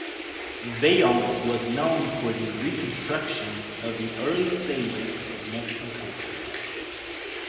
Vaillant was known for the reconstruction of the early stages of Mexican Culture.